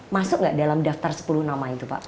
masuk nggak dalam daftar sepuluh nama itu pak